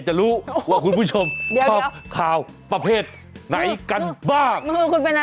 สวัสดีครับคุณชนะสวัสดีค่ะสวัสดีคุณชิสานะฮะ